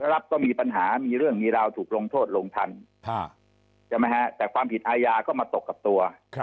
รับก็มีปัญหามีเรื่องมีราวถูกลงโทษลงทันใช่ไหมฮะแต่ความผิดอาญาก็มาตกกับตัว